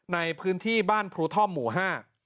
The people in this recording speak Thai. ในพื้นที่บ้านพรูท่อมหมู่ห้า